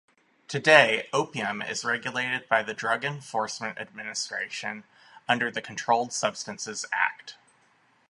Today, opium is regulated by the Drug Enforcement Administration under the Controlled Substances Act.